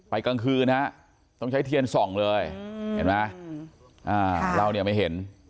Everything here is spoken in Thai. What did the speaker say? กลางคืนฮะต้องใช้เทียนส่องเลยเห็นไหมเราเนี่ยไม่เห็น